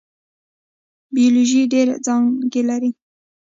بیولوژي ډیرې څانګې لري